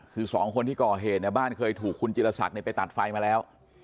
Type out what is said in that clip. คือสองคนที่ก่อเหตุเนี่ยบ้านเคยถูกคุณจิลศักดิ์ไปตัดไฟมาแล้ว